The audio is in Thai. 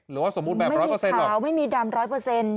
หรือว่าสมมุติแบบร้อยเปอร์เซ็นต์หรอกใช่ไหมครับไม่มีขาวไม่มีดำร้อยเปอร์เซ็นต์